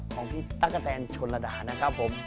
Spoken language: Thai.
ของพี่ตั๊กกะแตนชนระดานะครับผม